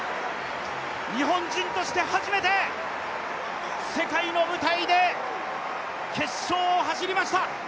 日本人として初めて、世界の舞台で決勝を走りました。